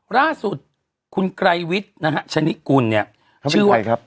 ล่าสุดคุณไกรวิทย์นะฮะชนิกุลเนี่ยชื่อว่าใครครับ